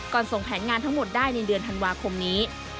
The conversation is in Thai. ส่งแผนงานทั้งหมดได้ในเดือนธันวาคมนี้